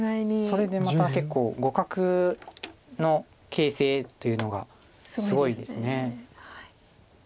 それでまた結構互角の形勢というのがすごいです。